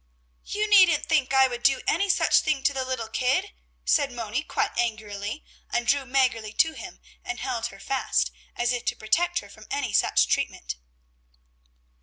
"You needn't think I would do any such thing to the little kid!" said Moni quite angrily and drew Mäggerli to him and held her fast, as if to protect her from any such treatment.